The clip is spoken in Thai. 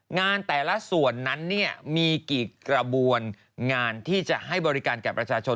งานแต่ละส่วนนั้นมีกี่กระบวนงานที่จะให้บริการแก่ประชาชน